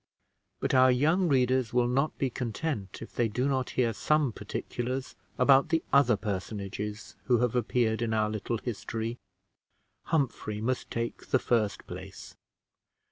But our young readers will not be content if they do not hear some particulars about the other personages who have appeared in our little history. Humphrey must take the first place.